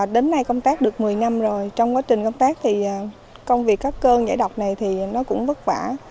đến nay công tác được một mươi năm rồi trong quá trình công tác công việc các cơn giải đọc này cũng bất vả